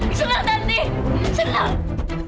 iya senang tanti senang